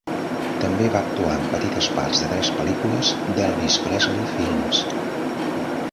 També va actuar en petites parts de tres pel·lícules d'Elvis Presley films.